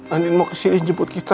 nanti mau kesini jemput kita